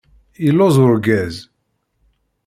Yelluẓ urgaz.